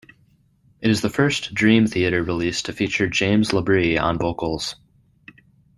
It is the first Dream Theater release to feature James LaBrie on vocals.